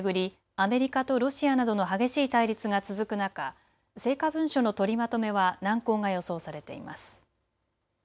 アメリカとロシアなどの激しい対立が続く中、成果文書の取りまとめは難航が予想されています。